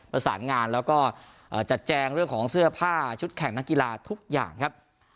ประสานงานแล้วก็จัดแจงเรื่องของเสื้อผ้าชุดแข่งนักกีฬาทุกอย่างครับ